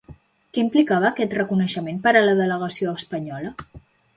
Què implicava aquest reconeixement per a la delegació espanyola?